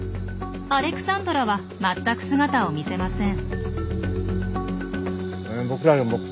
アレクサンドラは全く姿を見せません。